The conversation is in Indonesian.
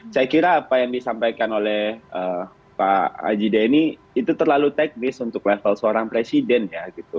saya kira apa yang disampaikan oleh pak haji deni itu terlalu teknis untuk level seorang presiden ya gitu